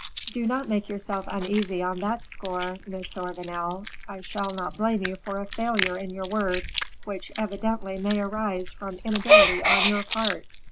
"Do not make yourself uneasy on that score, Monsieur Vanel; I shall not blame you for a failure in your word, which evidently may arise from inability on your part."